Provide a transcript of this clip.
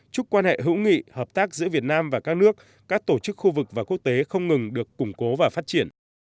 chúc quan hệ hữu nghị hợp tác giữa việt nam và các nước các tổ chức khu vực và quốc tế không ngừng được củng cố và phát triển